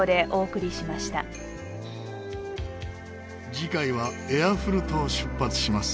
次回はエアフルトを出発します。